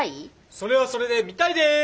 それはそれで見たいです！